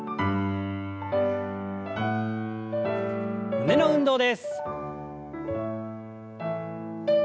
胸の運動です。